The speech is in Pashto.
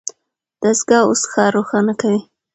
دستګاه اوس ښار روښانه کوي.